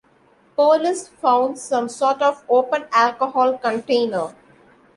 Police found some sort of open alcohol container.